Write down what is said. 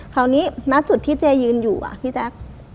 คราวนี้หน้าจุดที่เจ๊ยืนอยู่อ่ะพี่แจ๊ก